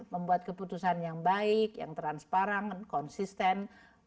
membuat keputusan yang baik yang transparan konsisten